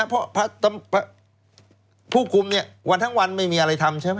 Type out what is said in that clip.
เพราะผู้คุมเนี่ยวันทั้งวันไม่มีอะไรทำใช่ไหม